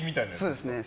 そうですね。